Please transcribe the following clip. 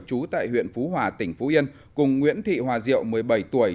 trú tại huyện phú hòa tỉnh phú yên cùng nguyễn thị hòa diệu một mươi bảy tuổi